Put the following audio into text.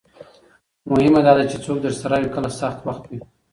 مهمه دا ده چې څوک درسره وي کله سخت وخت وي.